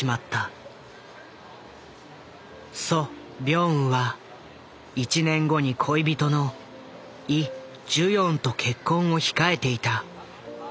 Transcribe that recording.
ソ・ビョンウは１年後に恋人のイ・ジュヨンと結婚を控えていた。